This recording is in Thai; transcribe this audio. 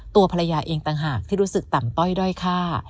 ตัวภรรยาเองต่างหากที่รู้สึกต่ำต้อยด้อยค่า